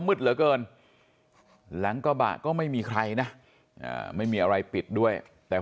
มืดเหลือเกินหลังกระบะก็ไม่มีใครนะไม่มีอะไรปิดด้วยแต่